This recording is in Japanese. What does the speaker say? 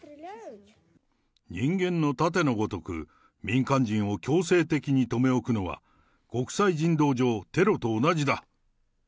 人間の盾のごとく、民間人を強制的に留め置くのは、国際人道上、テロと同じだ。